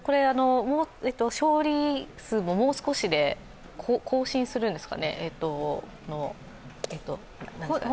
勝利数ももう少しで、更新するんですかね。